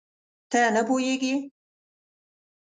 ته نه پوهېږې؟